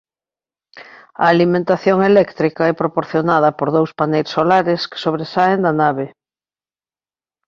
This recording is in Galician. A alimentación eléctrica é proporcionada por dous paneis solares que sobresaen da nave.